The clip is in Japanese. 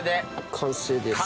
完成です。